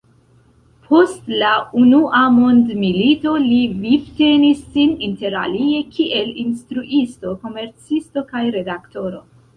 Post la Unua Mondmilito li vivtenis sin interalie kiel instruisto, komercisto kaj redaktoro.